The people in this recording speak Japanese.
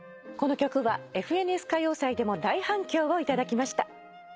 この曲は『ＦＮＳ歌謡祭』でも大反響を頂きました。